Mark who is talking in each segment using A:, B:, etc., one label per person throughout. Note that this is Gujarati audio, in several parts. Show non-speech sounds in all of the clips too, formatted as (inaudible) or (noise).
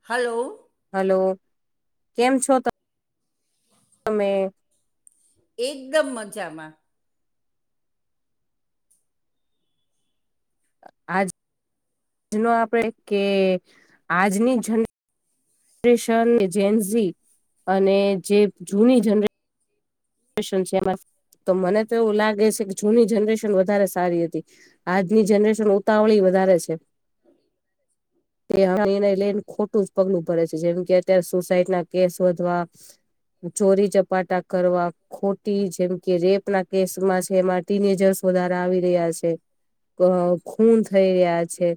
A: હલો.
B: હલો કેમ છો ત તમે
A: એકદમ મજામાં.
B: આજ. જ ન આપડે કે આજની જન જનરેશન ને જૈનજી અને જે જૂની જનરે તો મને તો એવું લાગે છે કે જૂની જનરેશન વધારે સારી હતી આજની જનરેશન ઉતાવળી વધારે છે. તે એને લઈને ખોટું જ પગલું ભરે છે જેમ કે અત્યારે સુસાઈડ ના કેસ વધવા ચોરી ચપાટા કરવા ખોટી જેમ કે રેપના કેસમાં છે એમાં ટીનેજર્સ દારા આવી રહ્યા છે. અ ખૂન થઈ રહ્યા છે.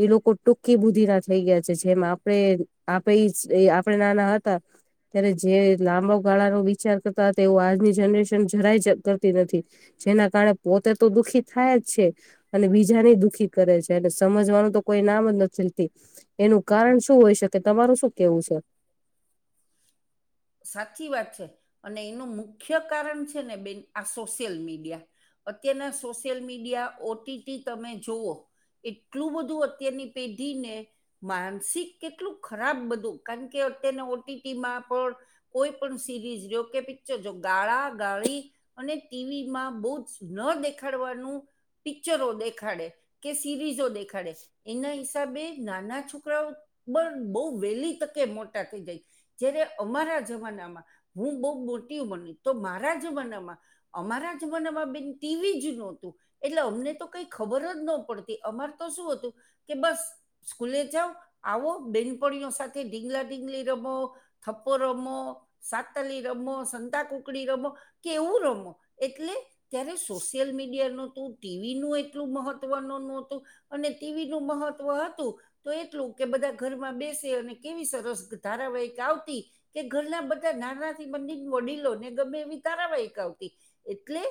B: એ લોકો ટૂંકી બુધિ ના થઈ ગયા છે જેમ આપણે આપે આપણે નાના હતા ત્યારે જે લાંબા ગાળાનો વિચાર કરતા હતા એવું આજની જનરેશન જરાય જ કરતી નથી. જેના કારણે પોતે તો દુઃખી થાય જ છે. અને બીજાની દુઃખી કરે છે અને સમજવાનું તો કોઈ નામ જ નથી તી. એનું કારણ શું હોય શકે તમારું શું કેવું છે. (unintelligible)
A: સાચી વાત છે અને એનું મુખ્ય કારણ છે ને બેન આ સોશિયલ મીડિયા અત્યના social media O T T તમે જુઓ એટલું બધું અત્યારની પેઢી ને માનસિક કેટલું ખરાબ બધું કારણ કે અત્યના ઓટીટીમાં પણ કોઈ પણ સીરીઝ જો કે પિક્ચર જો ગાળા ગાળી અને ટીવીમાં બહુ જ ન દેખાડવાનું પિક્ચરો દેખાડે. કે સિરીઝો દેખાડે. એના હિસાબે નાના છોકરાઓ પણ બહુ વહેલી તકે મોટા થઈ જાય. જય્યારે અમારા જમાનામાં હું બહુ મોટી બની તો મારા જમાનામાં અમારા જ જમાનામાં બેન ટીવી જ નહોતું. એટલે અમને તો કઈ ખબર જ ન પડતી અમાર તો શું હતું. કે બસ સ્કૂલે જાઓ આવો બેનપણીઓ સાથે ઢીંગલા ઢીંગલી રમો થપ્પો રમો સાતલી રમો સંતા કુકડી રમો કેવું રમો એટલે ત્યારે સોશિયલ મીડિયા નો તું. ટીવી નું એટલું મહત્વ ન નોતું અને ટીવી નું મહત્વ હતું. તો એટલું કે બધા ઘરમાં બેસે અને કેવી સરસ ધારાવાહિક આવતી. તી કે ઘરના બધા નાનાથી બ વડીલો ને ગમે એવી ધારાવાહિક આવતી એટલે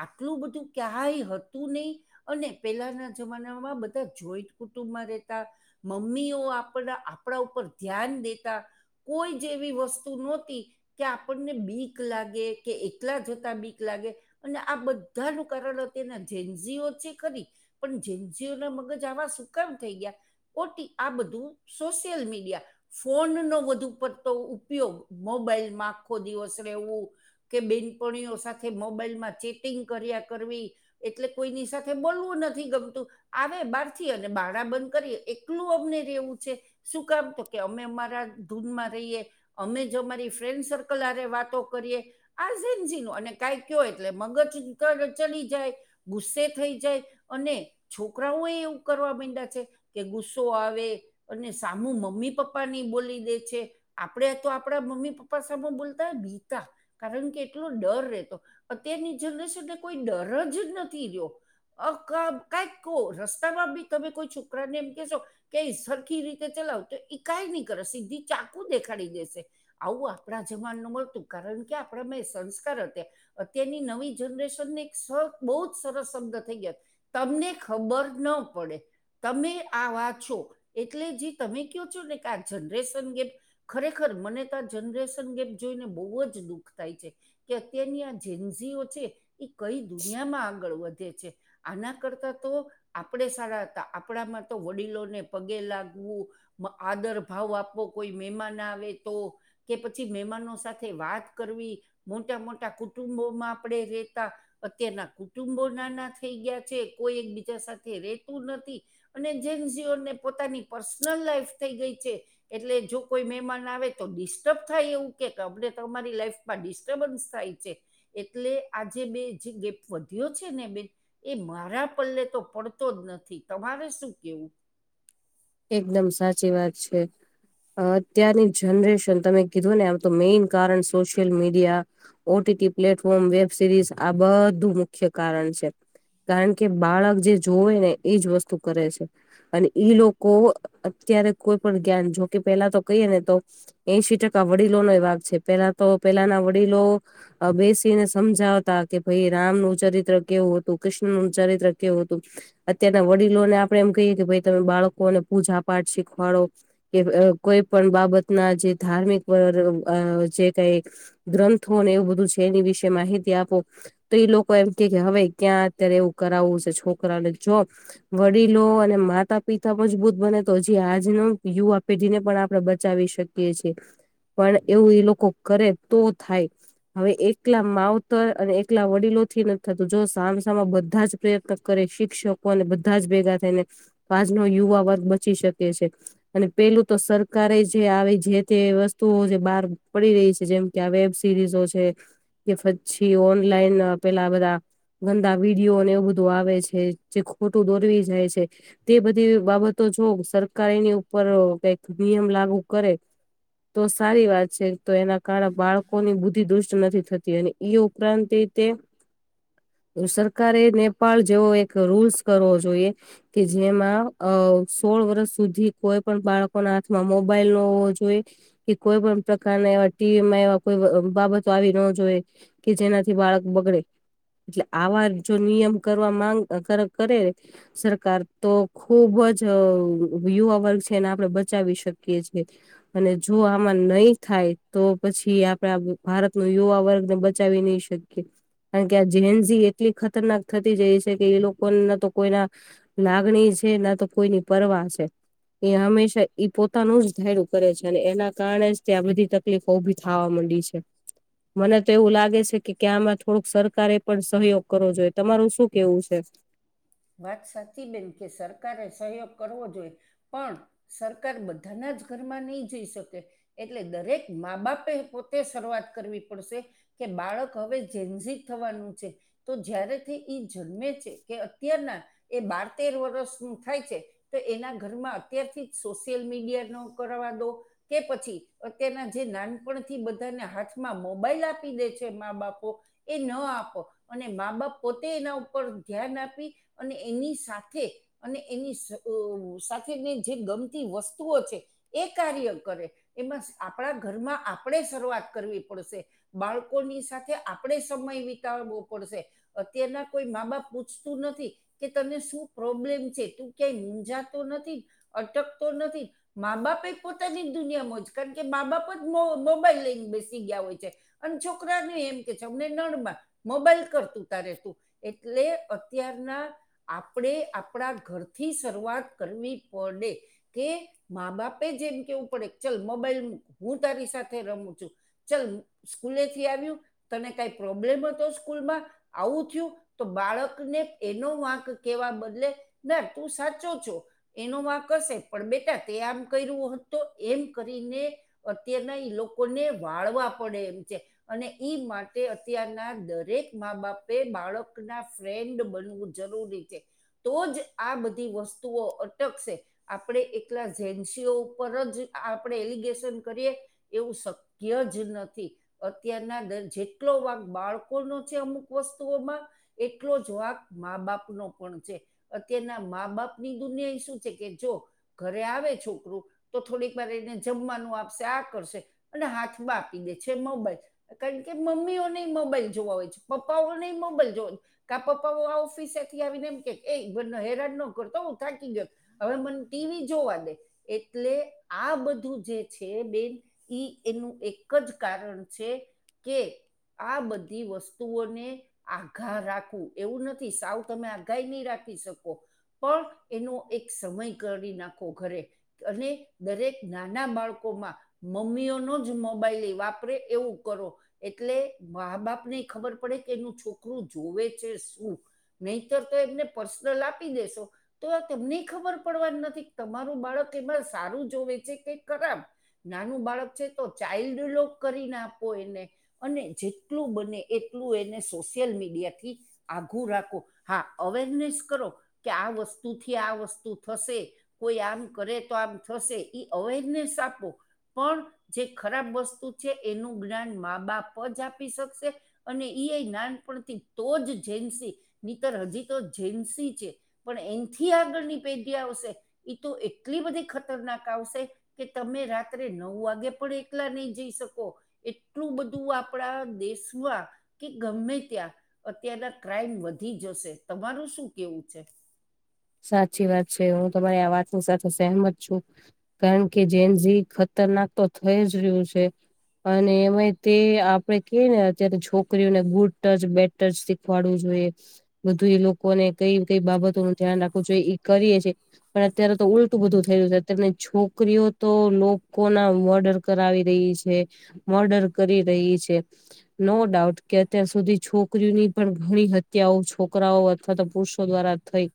A: આટલું બધું ક્યાય હતું નહી. અને પેલાના જમાનામાં બધા જોઈટ કુટુંબમાં રહેતા. મમ્મીઓ આપણા આપણા ઉપર ધ્યાન દેતા કોઈ જેવી વસ્તુ નહોતી કે આપણને બીક લાગે કે એકલા જતા બીક લાગે અને આ બધાનું કારણ અત્યના જેન્ઝઓ છે ખરી પણ જેનજીઓ ના મગજ આવા સુકામ થઈ ગયા. ઓટી આ બધું સોશિયલ મીડિયા ફોન નો બુંઘ. ઉપર તો ઉપયોગ મોબાઈલમાં આખો દિવસ રહેવું. કે બેનપણીઓ સાથે મોબાઈલમાં ચેટિંગ કર્યા કરવી એટલે કોઈની સાથે બોલવું નથી ગમતું આવે બહારથી અને ભાડા બંધ કરીએ એકલું અમને રહેેવું છે‌. શું કામ તો કે અમે અમારા ધૂનમાં. એ, અમે જો અમારી ફ્રેન્ડ સર્કલ આરે વાતો કરીએ. આઝીનઝી ન અને કાઈ કયો એટલે મગજંકર ચડી જાય. ગુસ્સે થઈ જાય અને છોકરાઓ એ એવું કરવા મયડા છે. કે ગુસ્સો આવે અને સામું મમ્મી પપ્પા ની બોલી દે છે. આપડે તો આપડા મમ્મી પપ્પા સામુ બોલતા બીતા. કારણ કે એટલો ડર રહેતો, અત્યારની જનરેશનને કોઈ ડર જ નથી રહ્યો. અ ક કઈક ક રસ્તામાં બી તમે કોઈ છોકરા ને એમ કેહેશો. કે સરખી રીતે ચલાવ તો ઈકાય નહી કરો સીધી ચાકુ દેખાડી દેશે. આવું આપણા જમાનનું મળતું કારણ કે આપણા મેં સંસ્કાર હતા. અત્યારની નવી જનરેશનને એક બહુ જ સરસ શબ્દ થઈ ગયા. તમને ખબર ન પડે. તમે આ વા છો એટલે જે તમે કહો છો ને કે આ જનરેશન ગ ખરેખર મને તો આ જનરેશન ગેપ જોઈને બહુ જ દુઃખ થાય છે. કે અત્યારની આ જેન્ઝઓ છે, એ કઈ દુનિયામાં આગળ વધે છે. આના કરતા તો આપડે સારા હતા, આપણામાં તો વડીલોને પગે લાગવું. આદર ભાવ આપવો કોઈ મહેમાન આવે તો. કે પછી મહેમાનો સાથે વાત કરવી, મોટા મોટા કુટુંબોમાં આપણે રેતા. અત્યારના કુટુંબો નાના થઈ ગયા છે કોઈ એકબીજા સાથે રેતું નથી. અને જેસીઓને પોતાની પર્સનલ લાઈફ થઈ ગઈ છે, એટલે જો કોઈ મહેમાન આવે તો ડિસ્ટર્બ થાય એવું કે અમને તમારી લાઈફમાં ડિસ્ટર્બન્સ થાય છે. એટલે આજે બે જે ગેપ વધ્યો છે ને બે એ મારા પલ્લે તો પડતો જ નથી તમારે શું કેવું?
B: એકદમ સાચી વાત છે. અત્યારની જનરેશન તમે કીધું ને આમ તો મેઈન કારણ social media. OTT platform web series આ બધું મુખ્ય કારણ છે. કારણ કે બાળક જે જોવે ને એજ
A: એ લોકો એમ
B: વસ્તુ
A: કે
B: કરે છે, અને ઈ લોકો કો અત્યારે કોઈ પણ જ્ઞાન જોકે પેલા તો કહીએ ને તો એશી ટકા વડીલોનો એ ભાગ છે પેલા તો પેલાના વડીલો બેસીને સમજાવતા કે ભાઈ રામનું ચરિત્ર કેવું હતું કૃષ્ણનું ચરિત્ર કેવું હતું. અત્યારના વડીલોને આપડે એમ કહીએ કે ભાઈ તમે બાળકોને પૂજા પાઠ શીખવાડો. કે કોઈ પણ બાબતના જે ધાર્મિક જે કઈ ગ્રંથો અને એવું બધું છે એની વિશે માહિતી આપો. તો ઈ લોકો એમ કે કે હવે ક્યાં અત્યારે એવું કરાવવું છે છોકરાને જો. વડીલો અને માતા પિતા મજબૂત બને તો જે આજનો યુવા પેઢી ને પણ આપણે બચાવી શકીએ છીએ. પણ એવું એ લોકો કરે તો થાય. હવે એકલા માવતર અને એકલા વડીલો થી નથી થતો જો સામસામા બધા જ પ્રયત્ન કરે શિક્ષકોને બધા જ ભેગા થઈને. નો યુવા વર્ગ બચી શકે છે. અને પેલું તો સરકારે જે આવી જે તે વસ્તુઓ જે બહાર પડી રહી છે જેમ કે વેબ સિરીઝો છે, કે પછી ઓનલાઈન પેલા બધા ગંદા વિડીયોને એવું બધું આવે છે જે ખોટું દોરવી જાય છે. તે બધી બાબતો જોઉ સરકાર એની ઉપર
A: બધી બાબતો
B: કઈક નિયમ લાગુ કરે.
A: સરકારે
B: તો સારી વાત
A: સરકારે
B: છે
A: એ
B: તો એના કારણે
A: પણ
B: બાળકોની
A: જેવો
B: બુદ્ધિ દુષ્ટ
A: એક રૂલ્સ
B: નથી
A: કરવો
B: થતી
A: જોઈએ
B: એની.
A: કે જેમાં મને તો
B: ઉપરાંત
A: એવું
B: તે
A: લાગે છે કે આમાં
B: સરકારે નેપાળ જેવો એક
A: પણ
B: રૂલ્સ કરવો જોઈએ. કે જેમાં અ સોળ વર્ષ સુધી કોઈ પણ બાળકો ના હાથમાં મોબાઈલ ન હોવો જોઈ. કે કોઈ પણ પ્રકારના એવા ટીવીમાં એવા કોઈ બાબતો આવી ન જોઈએ. કે જેનાથી બાળક બગડે. એટલે આવા જો નિયમ કરવા માંગ કરે, સરકાર. તો ખુબ જ યુવા વર્ગ છે. એને આપણે બચાવી શકીએ છીએ. અને જો આમાં નહી થાય તો પછી આપડ ભારત ન યુવા વર્ગ ને બચાવી (inaudible) કારણ કે આ જેનજી એટલી ખતરનાક થતી જાય છે કે એ લોકોન ના તો કોઈના નાગણી છે, ના તો કોઈની પરવા છે. એ હંમેશા ઈ પોતાનુંજ ધાયરૂ કરે છે, અને એના કારણે જ તે આ બધી ત તકલીફો ઉભી થવા માંડી છે. મને તો એવું લાગે છે કે ક્યાં આમાં થોડુંક સરકારે પણ સહયોગ કરવો જોઈએ, તમારું શું કેવું છે?
A: વાત સાચી બેન, કે સરકારે સહયોગ કરવો જોઈએ. પણ સરકાર બધાનાજ ઘરમાં નહીં જઈ શકે. એટલે દરેક મા-બાપે પોતે શરૂઆત કરવી પડશે કે બાળક હવે જેન્ઝ ઝી થવાનું છે, તો જ્યારેથી ઈ જન્મે છે કે ત્યારના એ બાર તેર વરષનું થાય છે. તો એના ઘરમાં અત્યારથી જ સોશિયલ મીડિયાનો કરવા દો કે પછી અત્યના જે નાનપણથી બધાના હાથમાં મોબાઈલ આપી દે છે મા બાપો એ ન આપો, અને મા-બાપ પોતે એના ઉપર ધ્યાન આપી અને એની સાથે અને એની ઓ સાથેને જે ગમતી વસ્તુઓ છે. એ કાર્ય કરે, એમાં આપણા ઘરમાં આપણે શરૂઆત કરવી પડશે. બાળકોની સાથે આપણે સમય વિતાવવો પડશે- - અત્યારના કોઈ મા-બાપ પૂછતું નથી. કે તને શું પ્રોબ્લેમ છે, તું ક્યાં મુંઝાતો નથી? અટકતો નથી? મા-બાપ એ પોતાની જ દુનિયા માંજ, કારણ કે મા-બાપજ મો મોબાઈલ લઈને બેસી ગયા હોય છે. અને છોકરા ન એમ કે છે, અમને નડબા મોબાઈલ કર તુ તારે તું, એટલે અત્યારના આપણે આપણા ઘરથી શરૂઆત કરવી પડે. કે મા બાપે જેમ કેવું પડે, ચાલ મોબાઈલ મુક, હું તારી સાથે રમું છું. ચલ, સ્કૂલેથી આવ્યું તને કાઈ પ્રોબ્લેમ હતો સ્કૂલમાં, આવું થયું તો બાળકને એનો વાંક કેવા બદલે, ના તું સાચો છો એનો વાંક હશે, પણ બેટા તે આમ કર્યું ઓહ, તો એમ કરીને અત્યારના ઈ લોકોને વાળવા પડે એમ છે. અને ઈ માટે અત્યારના દરેક મા-બાપે બાળક ના ફ્રેન્ડ બનવું. જરૂરી છે, તો જ આ બધી વસ્તુઓ અટકશે. આપણે એકલા જેન્સીઓ ઉપર જ આપણે એલિગેશન કરીએ એવું શક્યજ નથી. અત્યારના દર જેટલો વાક બાળકોનો છે અમુક વસ્તુઓમાં એટલો જ વાંક મા-બાપ નો પણ છે, અત્યારના મા-બાપની દુનિયાએ શું છે કે જો ઘરે આવે છોકરું તો થોડીક વાર રહીને જમવાનું આપશે, આ કરશે અને હાથમાં આપી દે છે મોબાઈલ કારણ કે મમ્મીઓ નઈ મોબાઈલ જોવા હોય છે, પપ્પાઓ ન મોબાઈલ જોવા, કા પપ્પાઓ આવ ફિસેથી આવીને એમ કે, એ બ હેરાન ન કરતો હું થાકી ગયો. હવે મને ટીવી જોવા દે એટલે આ બધું જે છે બેન ઈ એનું એક જ કારણ છે કે. આ બધી વસ્તુઓને આઘાર રાખવું એવું નથી. આવ તમે આ ઘાઈ નહી રાખી શકો. પણ એનો એક સમય કરી નાખો ઘરે. અને દરેક નાના બાળકોમાં મમ્મીઓનો જ મોબાઈલ ઈ વાપરે એવું કરો. એટલે મા-બાપને ખબર પડે, કે એનું છોકરું જોવે છે શું. નહીતર તો એમને પર્સનલ આપી દેેશો તો આ તમને ઈ ખબર પડવાની નથી, તમારું બાળક એમાં સારું જોવે છે કે ખરાબ. નાનું બાળક છે, તો ચાઇલ્ડ લોક કરીને આપો એને. અને જેટલું બને એટલું એને સોશિયલ મીડિયા થી આઘું રાખ. હા અવેરનેસ કરો કે આ વસ્તુથી આ વસ્તુ થશે. કોઈ આમ કરે તો આમ થશે એઈ અવેરનેસ આપો. પણ જે ખરાબ વસ્તુ છે એનું જ્ઞાન મા બાપ જ આપી શકશે. અને એ નાનપણથી તો જ જેન્સી નીતર હજી તો જેન્સી છે. પણ એનથી આગળની પેગી આવશે એ તો એટલી બધી ખતરનાક આવશે. કે તમે રાત્રે નવ વાગે પણ એકલા નહી જઈ શકો. એટલું બધું આપણા દેશમાં. કે ગમે ત્યાં અત્યારના ક્રાઈમ વધી જશે તમારું શું કેવું છે?
B: સાચી વાત છે હું તમારી આ વાતની સાથે સહેમત છું. કારણ કે જેન જે ખતરનાક તો થઈ જ રહ્યું છે. અને એમાં તે આપડે કે ને અત્યારે છોકરીઓને ગુડ ટચ બે ટચ શીખવાડવું જોઈએ બધુ એ લોકોને કઈ કઈ બાબતો નું ધ્યાન રાખ. જોઈ એ કરીએ છીએ. પણ અત્યારે તો ઉલટું બધું થઈ રહ્યું છે અતને છોકરીઓ તો લોકો ના વર્ડર કરાવી રહી છે મર્ડર કરી રહી છે. નો ડાઉટ કે અત્યાર સુધી છોકરીઓની પણ ઘણી હત્યાઓ છોકરાઓ અથવા તો પુરુષો દ્વારા. થઈ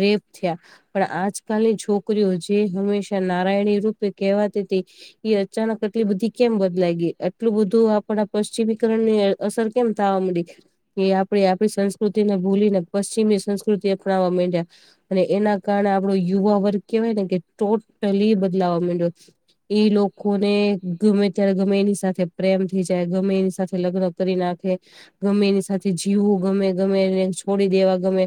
B: રેપ થયા પણ આજ કની છોકરીઓ જે હંમેશા નારાયણી રૂપે કહેવાતી હતી એ અચાનક એટલી બધી કેમ બદલાઈ ગય એટલું બધું આપડા પશ્ચિમીકરણ ની અસર કેમ થવા મળી. એ આપણે આપણી સંસ્કૃતિને ભૂલી ને પશ્ચિમી સંસ્કૃતિ અપનાવવા માંડ્યા. અને એના કારણે આપડો યુવા વર્ગ કેવાય ને કે ટોટલી બદલાવવા માંડ્યો. એ લોકોને ગમે ત્યારે ગમે એની સાથે પ્રેમ થઈ જાય ગમે એની સાથે લગ્ન કરી નાખે. ગમે એની સાથે જીવું ગમે ગમે એને છોડી દેવા ગમે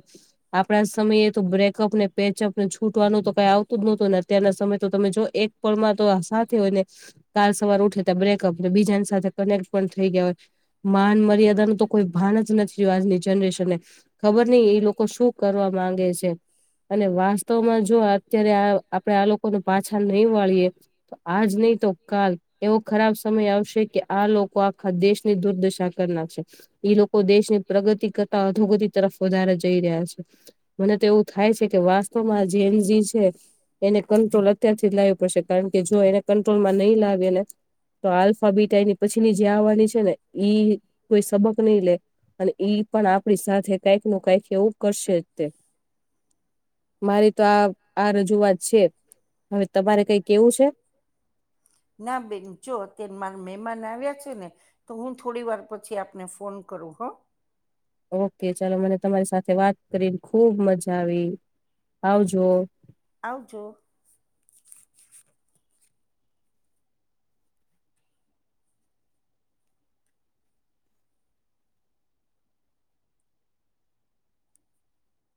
B: આપણા સમયે તો બ્રેકઅપને પેચઅપને છૂટવાનું તો કઈ આવતું જ નહતું હો ને અત્યારના સમય તો તમે જો એક પણમાં તો સાથે હોય ને કાર સવાર ઉઠેતા બ્રેકઅપ બીજાની સાથે કનેક્ટ પણ થઇ ગયા હોય. માન મર્યાદા ન તો કોઈ ભાન જ નથી રહ્યું આજની જનરેશનને. ખબર નહીં એ લોકો શું કરવા માંગે છે? અને વાસ્તવમાં જો અત્યારે આપડે આ લોકો ન પાછા નહી વાળીએ. તો આજ નહી તો કાલ એવો ખરાબ સમય આવશે કે આ લોકો આખા દેશની દુર્દશા કરી નકશે. લોકો દેશની પ્રગતિ કરતા અધોગતિ તરફ વધારે જઈ રહ્યા છે. તેવું થાય છે કે વાસ્તવમાં જેનજી છે. એને કંટ્રોલ અત્યારથી લાવું પડશે કારણ કે જો એને કંટ્રોલમાં નહીં લાવીએ ને. તો આલ્ફાબીટઈની પછીની જે આવવાની છે ને ઈ કોઈ સબક નહી લે. અને ઈ પણ આપડી સાથે કઈક ન કઈક એવું કરશે જ તે મારી તો આ આ રજૂઆત છે હવે તમારે કઈ કેવું છે?
A: ના બેન જો અત્યારે મારા મહેમાન આવ્યા છે ને તો હું થોડી વાર પછી આપને ફોન કરું હો
B: ઓકે ચાલો મને તમારી સાથે વાત કરીને ખુબ મજા આવી આવજો.
A: આવજો